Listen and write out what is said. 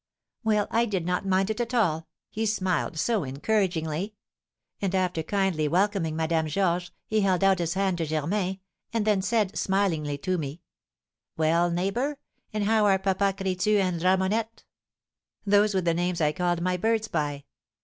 "Well, I did not mind it at all, he smiled so encouragingly; and, after kindly welcoming Madame Georges, he held out his hand to Germain, and then said, smilingly, to me, 'Well, neighbour, and how are "Papa Crétu" and "Ramonette?"' (Those were the names I called my birds by.